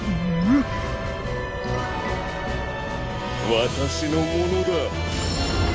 わたしのものだ。